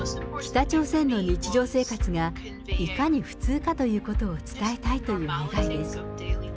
北朝鮮の日常生活がいかに普通かということを伝えたいという願いです。